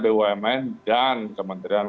bumn dan kementerian